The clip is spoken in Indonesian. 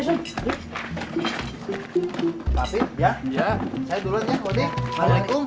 saya duluan ya wadih